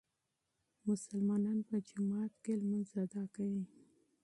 مسلمانان په جومات کې لمونځ ادا کوي.